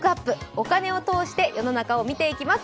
お金を通して世の中を見ていきます。